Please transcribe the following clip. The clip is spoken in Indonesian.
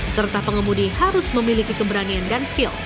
serta pengemudi harus memiliki keberanian dan skill